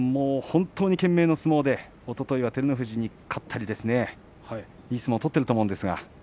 本当に懸命の相撲でおとといは照ノ富士に勝ったりいい相撲取ってると思うんですが。